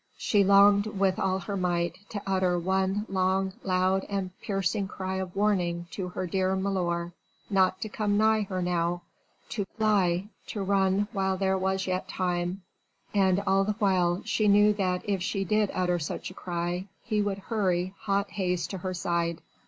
She longed with all her might to utter one long, loud and piercing cry of warning to her dear milor not to come nigh her now, to fly, to run while there was yet time; and all the while she knew that if she did utter such a cry he would hurry hot haste to her side.